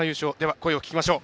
声を聞きましょう。